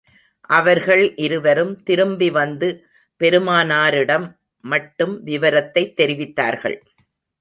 அவர்கள் இருவரும் திரும்பி வந்து, பெருமானாரிடம் மட்டும் விவரத்தைத் தெரிவித்தார்கள்.